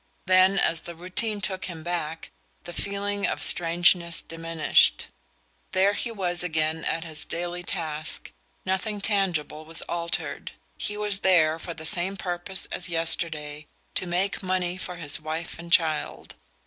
Then, as the routine took him back, the feeling of strangeness diminished. There he was again at his daily task nothing tangible was altered. He was there for the same purpose as yesterday: to make money for his wife and child.